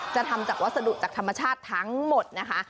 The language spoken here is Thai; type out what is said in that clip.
ทำจากวัสดุจากธรรมชาติทั้งหมดนะคะ